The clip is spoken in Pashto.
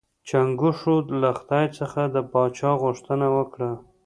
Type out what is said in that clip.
چنګښو له خدای څخه د پاچا غوښتنه وکړه.